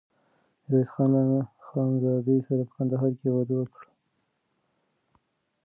ميرويس خان له خانزادې سره په کندهار کې واده وکړ.